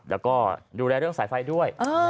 แล้วก็ดูแลเรื่องสายไฟด้วย